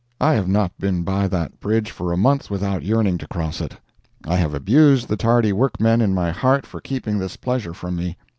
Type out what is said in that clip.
I have not been by that bridge for a month without yearning to cross it. I have abused the tardy workmen in my heart for keeping this pleasure from me.